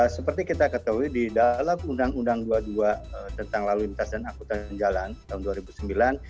seperti kita ketahui di dalam undang undang dua puluh dua tentang lalu lintas dan akutan jalan tahun dua ribu sembilan